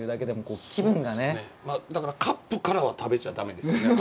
だからカップからは食べちゃダメですよ。